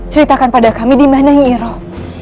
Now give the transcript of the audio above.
ceritakan pada kami dimana nyi iroh